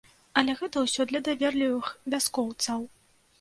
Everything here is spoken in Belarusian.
Але гэта ўсё для даверлівых вяскоўцаў.